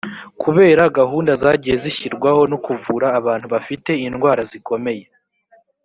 kubera gahunda zagiye zishyirwaho zo kuvura abantu bafite indwara zikomeye